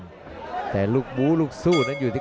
แต่ลูกบูลูกสู้นั้นอยู่ที่